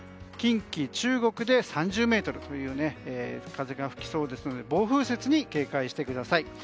近畿、中国で３０メートルという風が吹きそうですので暴風雪に警戒してください。